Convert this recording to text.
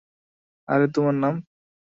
আর তোমার নাম?